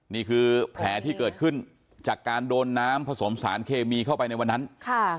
นี่คือแผลที่เกิดขึ้นจากการโดนน้ำผสมสารเคมีเข้าไปในวันนั้นค่ะ